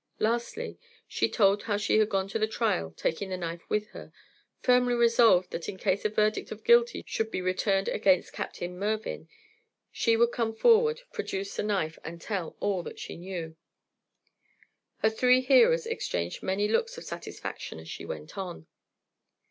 Lastly, she told how she had gone to the trial taking the knife with her, firmly resolved that in case a verdict of guilty should be returned against Captain Mervyn, she would come forward, produce the knife, and tell all that she knew. Her three hearers exchanged many looks of satisfaction as she went on.